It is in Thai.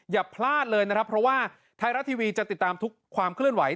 อย่าพลาดเลยนะครับเพราะว่าไทยรัฐทีวีจะติดตามทุกความเคลื่อนไหว